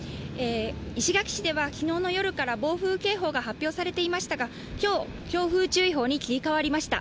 石垣市では、昨日の夜から暴風警報が出されていましたが今日、強風注意報に切り替わりました。